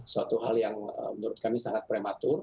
suatu hal yang menurut kami sangat prematur